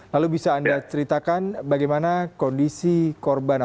lalu bisa anda ceritakan bagaimana kondisi korban